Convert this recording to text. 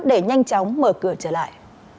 để nhanh chóng mở cửa trở lại